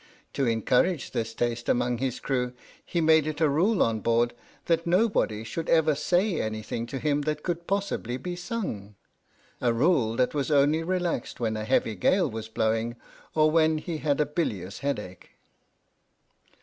To encourage this taste among his crew, he made it a rule on board that nobody should ever say any thing to him that could possibly be sung — a rule that was only relaxed when a heavy gale was blow ing, or when he had a bilious headache.